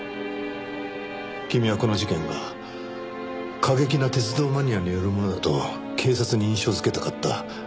君はこの事件が過激な鉄道マニアによるものだと警察に印象づけたかった。